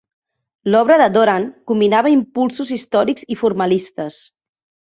L'obra de Doran combinava impulsos històrics i formalistes.